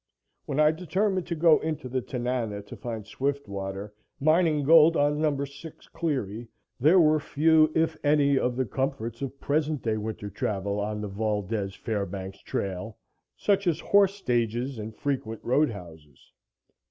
When I determined to go into the Tanana to find Swiftwater mining gold on Number 6 Cleary there were few, if any, of the comforts of present day winter travel on the Valdez Fairbanks trail, such as horse stages and frequent road houses.